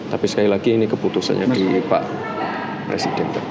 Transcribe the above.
tapi sekali lagi ini keputusannya di pak presiden